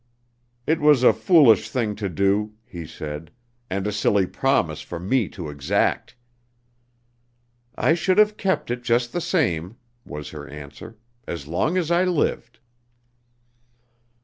"It was a foolish thing to do," he said, "and a silly promise for me to exact." "I should have kept it just the same," was her answer, "as long as I lived."